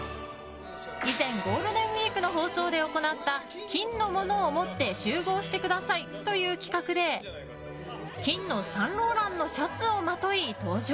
以前、ゴールデンウィークの放送で行った金のものを持って集合してくださいという企画で金のサンローランのシャツをまとい、登場！